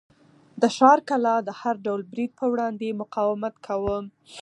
د ښار کلا د هر ډول برید په وړاندې مقاومت کاوه.